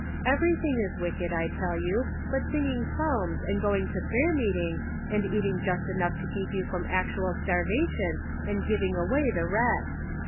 Everything is wicked, I tell you, but singing psalms and going to prayer meeting, and eating just enough to keep you from act ual starvation and giving away the rest.